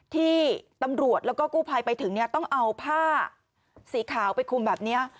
ที่ตำรวจแล้วก็กู้ภัยไปถึงเนี่ยต้องเอาผ้าสีขาวไปคุมแบบนี้